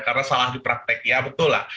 karena salah di praktek ya betul lah